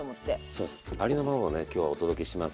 そうそうありのままをね今日はお届けします。